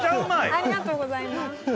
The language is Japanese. ありがとうございます。